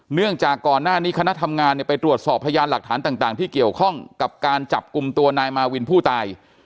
เนื่องจากก่อนหน้านี้คณะทำงานเนี่ยไปตรวจสอบพยานหลักฐานต่างที่เกี่ยวข้องกับการจับกลุ่มตัวนายมาวินผู้ตาย